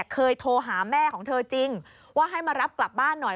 เคยโทรหาแม่ของเธอจริงว่าให้มารับกลับบ้านหน่อย